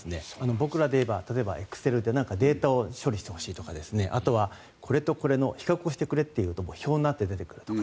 僕らで言えば例えばエクセルでデータを処理してほしいとかあとは、これとこれの比較をしてくれというと表になって出てくるとか。